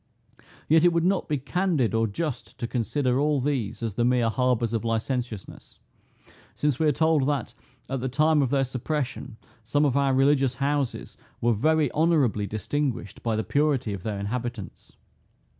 Yet it would not be candid or just to consider all these as the mere harbors of licentiousness; since we are told that, at the time of their suppression, some of our religious houses were very honorably distinguished by the purity of their inhabitants.